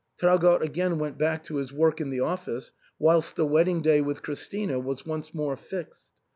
Traugott again went back to his work in the office, whilst the wedding day with Christina was once more fixed.